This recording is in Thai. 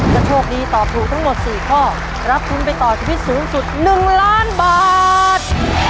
ถ้าโชคดีตอบถูกทั้งหมด๔ข้อรับทุนไปต่อชีวิตสูงสุด๑ล้านบาท